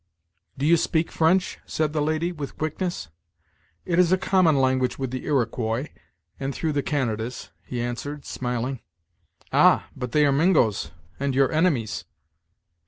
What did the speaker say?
"Do you speak French?" said the lady, with quickness. "It is a common language with the Iroquois, and through the Canadas," he answered, smiling. "Ah! but they are Mingoes, and your enemies."